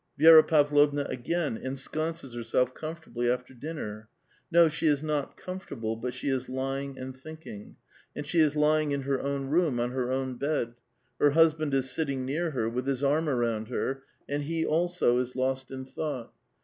Vi^ra Pavlovna again ensconces herself comfortably after dinner ; no, she is not comfortable, but 8he is lying and thinking ; and she is lying in hor own room, on her own bed. Her husband is sitting near her with his arm around her ; and he also is lost in thought.